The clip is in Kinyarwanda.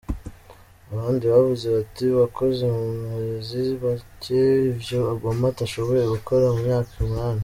Abandi bavuze bati: "Wakoze mu mezi make ivyo Obama atoshoboye gukora mu myaka umunani".